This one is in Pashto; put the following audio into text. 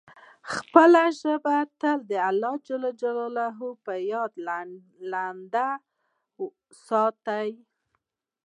خپله ژبه تل د الله جل جلاله په یاد لنده ساته.